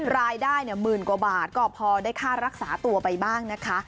หมื่นกว่าบาทก็พอได้ค่ารักษาตัวไปบ้างนะคะ